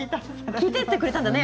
聴いていてくれたんだね。